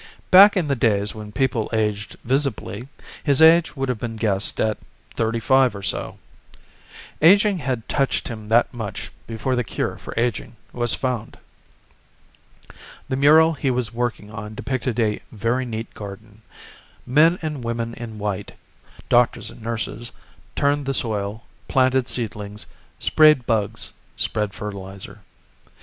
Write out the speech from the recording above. Back in the days when people aged visibly, his age would have been guessed at thirty five or so. Aging had touched him that much before the cure for aging was found. The mural he was working on depicted a very neat garden. Men and women in white, doctors and nurses, turned the soil, planted seedlings, sprayed bugs, spread fertilizer.